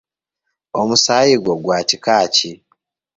Omusaayi gwo gwa kika ki?